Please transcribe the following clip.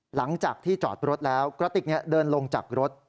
หลังจากที่จอดรถแล้วกระติกเดินลงจากรถ